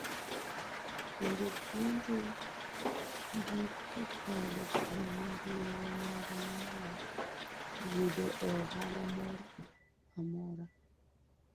Bende puonjo gi kokalo kuom midhiero magi nyalo yudo e ohala moro amora.